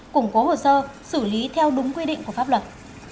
củng cố hồ sơ xử lý theo đúng quy định của pháp luật